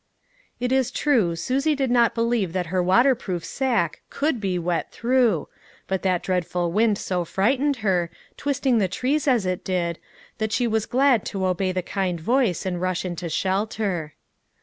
It is true Susie did not believe that her water proof sack could be wet through, but that dreadful wind so frightened her, twisting the trees as it did, that she was glad to obey the kind voice and rush into shelter.